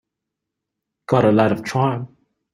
Got a lot of charm.